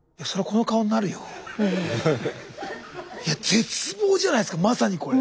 絶望じゃないすかまさにこれ。